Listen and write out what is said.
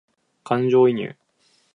感情移入